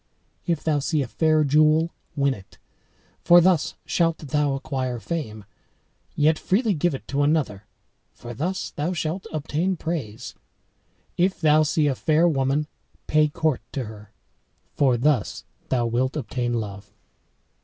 If thou see a fair jewel, win it, for thus shalt thou acquire fame; yet freely give it to another, for thus thou shalt obtain praise. If thou see a fair woman, pay court to her, for thus thou wilt obtain love."